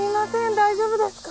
大丈夫ですか？